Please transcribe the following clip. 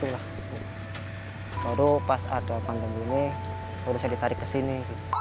lalu pas ada pandemi ini baru saya ditarik ke sini